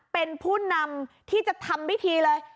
เป็นผู้นำที่จะทำพิธีเลย